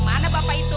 kemana bapak itu